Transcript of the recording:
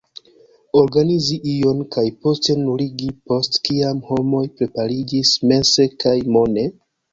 Organizi ion, kaj poste nuligi, post kiam homoj prepariĝis mense kaj mone?